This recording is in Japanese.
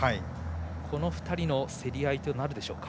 この２人の競り合いとなるでしょうか。